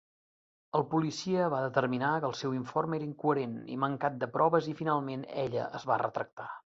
El policia va determinar que el seu informe era incoherent i mancat de proves i finalment ella es va retractar.